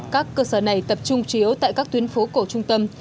các cơ sở này tập trung chủ yếu tại các tuyến phố cổ trung tâm